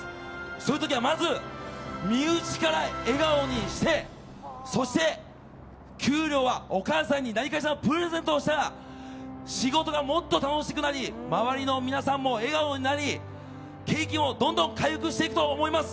そういう時はまず身内から笑顔にしてそして、給料はお母さんに何かしらのプレゼントをしたら仕事がもっと楽しくなり周りの皆さんも笑顔になり景気もどんどん回復していくと思います。